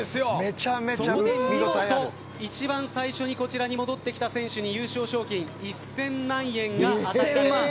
そこで見事一番最初に戻ってきた選手に優勝賞金１０００万円が与えられます。